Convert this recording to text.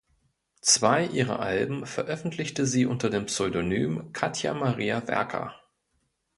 Zwei ihrer Alben veröffentlichte sie unter dem Pseudonym "Katja Maria Werker".